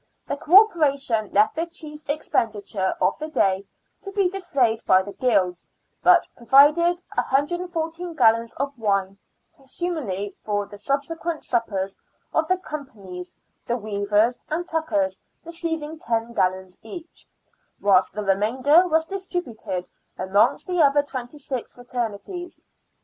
The Corporation left the chief expenditure of the day to be defrayed by the guilds, but provided 114 gallons of wine, presumably for the subsequent suppers of the companies — the weavers and tuckers receiving ten gallons each, whilst the remainder was distributed amongst the other twenty six fraternities.